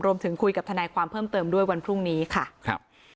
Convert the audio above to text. รวมถึงคุยกับทนายความเพิ่มเติมด้วยวันพรุ่งนี้ค่ะครับ